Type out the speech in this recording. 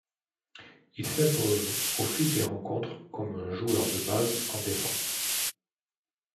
Il s'impose au fil des rencontres comme un joueur de base en défense.